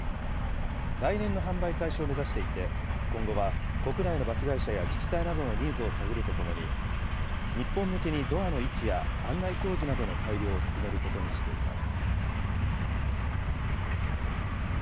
来年の販売開始を目指していて、今後は国内のバス会社や自治体などのニーズを探るとともに、日本向けにドアの位置や案内表示などの改良を進めることにしています。